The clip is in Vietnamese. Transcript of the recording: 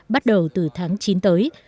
bắt đầu từ tháng chín tới